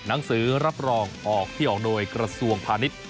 หนังสือรับรองออกที่ออกโดยกระทรวงพาณิชย์